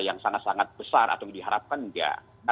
yang sangat sangat besar atau diharapkan enggak